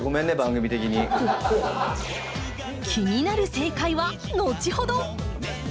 気になる正解は後ほど！